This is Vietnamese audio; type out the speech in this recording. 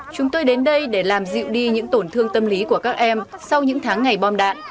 chúng tôi đến đây để làm dịu đi những tổn thương tâm lý của các em sau những tháng ngày bom đạn